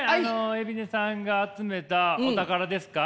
海老根さんが集めたお宝ですか？